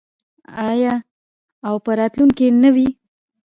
آیا او په راتلونکي کې نه وي؟